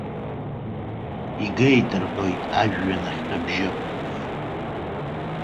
Игеит, рҳәоит, ажәҩанахьтә абжьы.